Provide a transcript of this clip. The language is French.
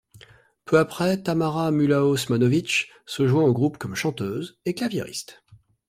Peu après, Tamara Mulaosmanovic se joint au groupe comme chanteuse et claviériste.